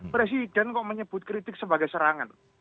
presiden kok menyebut kritik sebagai serangan